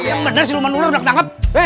iya bener siluman ular udah ketangkep